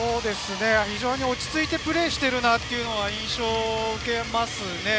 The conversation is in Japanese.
非常に落ち着いてプレーしているなという印象を受けます。